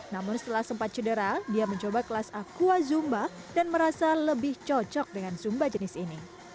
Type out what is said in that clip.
namun setelah sempat cedera dia mencoba kelas aqua zumba dan merasa lebih cocok dengan zumba jenis ini